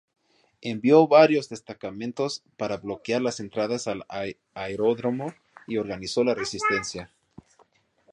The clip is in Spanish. Envió varios destacamentos para bloquear las entradas al aeródromo y organizó la resistencia.